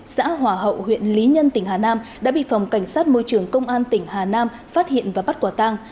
xã hòa hậu huyện lý nhân tỉnh hà nam đã bị phòng cảnh sát môi trường công an tỉnh hà nam phát hiện và bắt quả tang